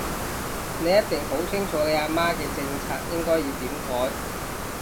你一定好清楚你阿媽嘅政策應該要點改